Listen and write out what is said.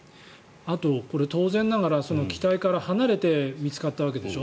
あと、当然ながら機体から離れて見つかったわけでしょ。